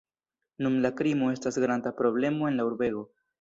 Nun la krimo estas granda problemo en la urbego.